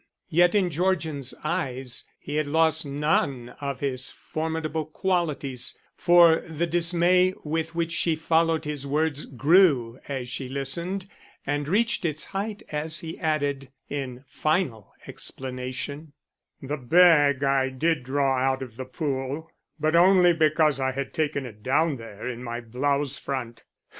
Yet in Georgian's eyes he had lost none of his formidable qualities, for the dismay with which she followed his words grew as she listened, and reached its height as he added in final explanation: "The bag I did draw out of the pool, but only because I had taken it down there in my blouse front.